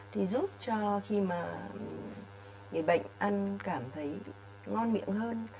thì giúp cho khi mà người bệnh ăn cảm thấy ngon miệng hơn